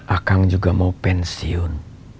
akang juga mau pensiun